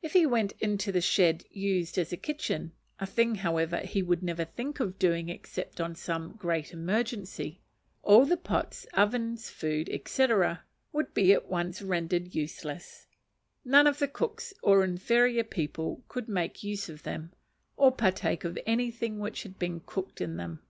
If he went into the shed used as a kitchen (a thing, however, he would never think of doing except on some great emergency), all the pots, ovens, food, &c., would be at once rendered useless: none of the cooks or inferior people could make use of them, or partake of anything which had been cooked in them.